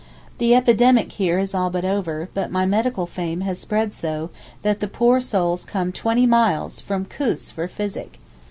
The epidemic here is all but over; but my medical fame has spread so, that the poor souls come twenty miles (from Koos) for physic.